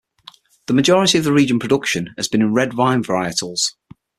The majority of the region production has been in red wine varietals.